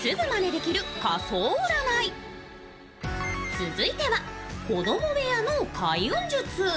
続いては子ども部屋の開運術。